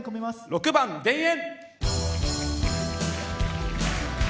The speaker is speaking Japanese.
６番「田園」。